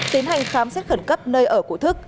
tiến hành khám xét khẩn cấp nơi ở của thức